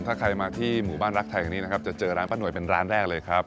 ถ้าใครมาที่หมู่บ้านรักไทยแห่งนี้นะครับจะเจอร้านป้าหน่วยเป็นร้านแรกเลยครับ